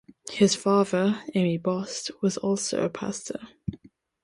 His father, Ami Bost, was also a Pastor.